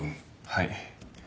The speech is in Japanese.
はい。